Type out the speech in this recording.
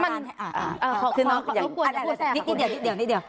ขออานิ้วเดี๋ยว